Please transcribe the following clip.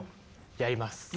やります。